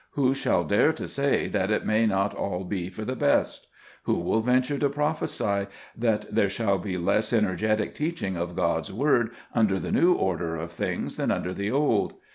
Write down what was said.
Who shall dare to say that it may not all be for the best? Who will venture to prophesy that there shall be less energetic teaching of God's word under the new order of things than under the old?